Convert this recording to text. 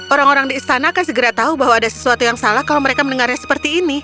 orang orang di istana akan segera tahu bahwa ada sesuatu yang salah kalau mereka mendengarnya seperti ini